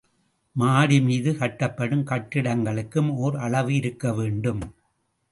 மாடிமீது கட்டப்படும் கட்டடங்களுக்கும் ஒரு அளவு இருக்க வேண்டும்.